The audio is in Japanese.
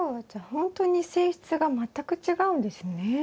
じゃあほんとに性質が全く違うんですね。